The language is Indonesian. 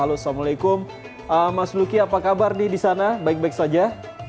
halo assalamualaikum mas luki apa kabar nih di sana baik baik saja